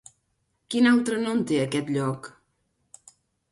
Quin altre nom té aquest lloc?